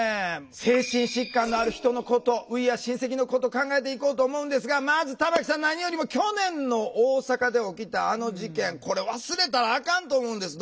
精神疾患のある人のことＷｅａｒｅシンセキ！のこと考えていこうと思うんですがまず玉木さん何よりも去年の大阪で起きたあの事件これ忘れたらあかんと思うんです。